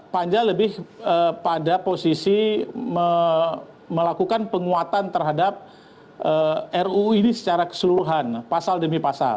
panja lebih pada posisi melakukan penguatan terhadap ruu ini secara keseluruhan pasal demi pasal